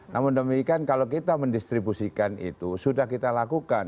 namun demikian kalau kita mendistribusikan itu sudah kita lakukan